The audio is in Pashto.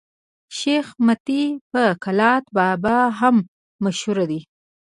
شېخ متي په کلات بابا هم مشهور دئ.